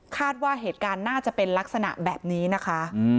ว่าเหตุการณ์น่าจะเป็นลักษณะแบบนี้นะคะ